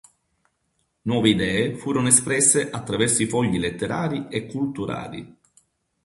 Nuove idee furono espresse attraverso i fogli letterari e culturali.